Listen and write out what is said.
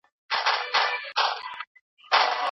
هغوی خپلې وړتياوې په سمه توګه استعمالوي.